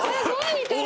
似てる！